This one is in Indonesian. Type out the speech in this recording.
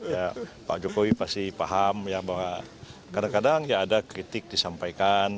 ya pak jokowi pasti paham ya bahwa kadang kadang ya ada kritik disampaikan